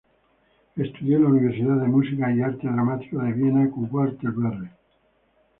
Estudió en la Universidad de Música y Arte Dramático de Viena con Walter Berry.